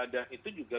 dan itu juga